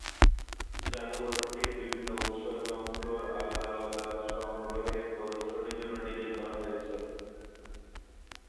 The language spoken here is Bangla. জাদুঘরটির বিভিন্ন উৎস এবং ফ্লোর আলাদা আলাদা সংগ্রহের প্রদর্শনীর জন্য ডিজাইন করা হয়েছে।